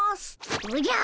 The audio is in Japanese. おじゃ！